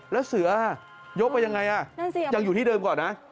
แล้วเสือยกไปยังไงนั่นสิยังอยู่ที่เดิมก่อนนะ